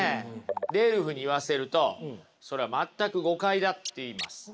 レルフに言わせるとそれは全く誤解だっていいます。